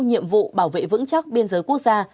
nhiệm vụ bảo vệ vững chắc biên giới quốc gia